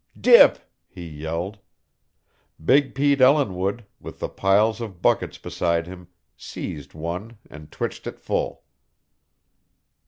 "Dip!" he yelled. Big Pete Ellinwood, with the piles of buckets beside him, seized one and twitched it full.